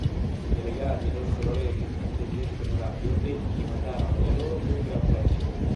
I delegati elessero Lenin Presidente onorario e gli mandarono le loro congratulazioni.